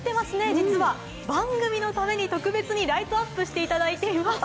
実は番組のためにライトアップしてもらっています。